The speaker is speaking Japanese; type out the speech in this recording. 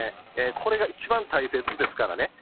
これが一番大切ですからね。